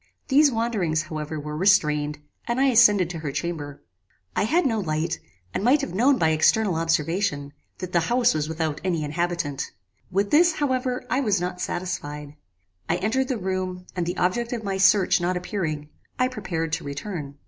These wanderings, however, were restrained, and I ascended to her chamber. "I had no light, and might have known by external observation, that the house was without any inhabitant. With this, however, I was not satisfied. I entered the room, and the object of my search not appearing, I prepared to return.